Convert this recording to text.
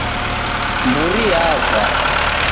Mburi yava